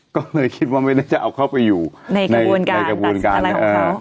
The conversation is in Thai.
ก็เลยคิดว่าไม่น่าจะเอาเข้าไปอยู่ในกระบวนการในกระบวนการแล้ว